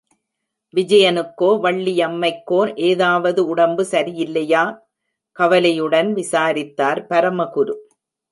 விஜயனுக்கோ, வள்ளியம்மைக்கோ ஏதாவது உடம்பு சரியில்லையா? கவலையுடன் விசாரித்தார் பரமகுரு.